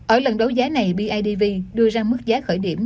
ở lần đấu giá này bidv đưa ra mức giá khởi điểm